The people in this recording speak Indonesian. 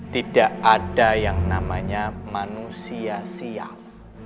tidak ada yang namanya manusia siap